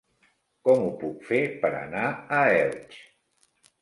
Com ho puc fer per anar a Elx?